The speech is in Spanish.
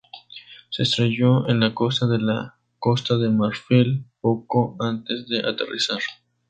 Se estrelló en la costa de Costa de Marfil poco antes de aterrizar.